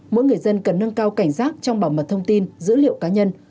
mỗi người dân cần nâng cao cảnh giác trong bảo mật thông tin dữ liệu cá nhân